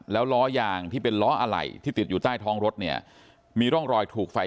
แล้วล้อยางที่เป็นล้ออะไหล่ที่ติดอยู่ใต้ท้องรถเนี่ยมีร่องรอยถูกไฟ